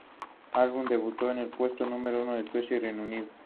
Este vídeo responde a una idea de Corbijn de rodar una "road movie".